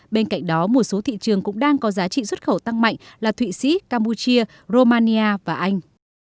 bên cạnh đó một số thị trường cũng đang có giá trị xuất khẩu tăng mạnh là thụy sĩ campuchia romania và anh